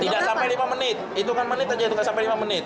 tidak sampai lima menit itukan menit saja itu gak sampai lima menit